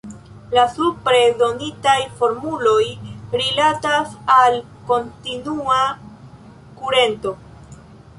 La supre donitaj formuloj rilatas al kontinua kurento.